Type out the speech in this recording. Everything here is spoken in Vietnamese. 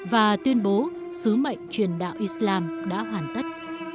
và tuyên bố sứ mệnh truyền đạo islam đã hoàn tất